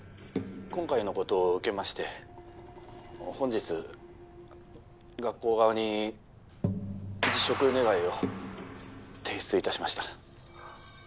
今回のことを受けまして本日学校側に辞職願を提出いたしました。